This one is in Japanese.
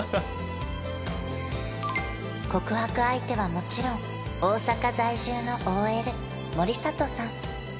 告白相手はもちろん大阪在住のＯＬ森里さん